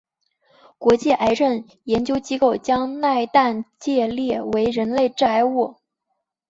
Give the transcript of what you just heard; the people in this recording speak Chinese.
国际癌症研究机构将萘氮芥列为人类致癌物。